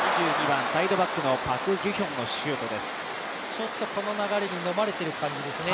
ちょっとこの流れにのまれてる感じですね。